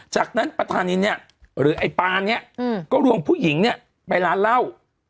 จากนั้นประธานินเนี่ยหรือไอ้ปานเนี่ยก็ลวงผู้หญิงเนี่ยไปร้านเหล้า